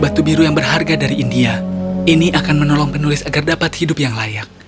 batu biru yang berharga dari india ini akan menolong penulis agar dapat hidup yang layak